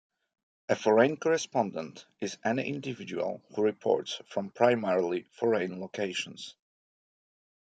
A foreign correspondent is any individual who reports from primarily foreign locations.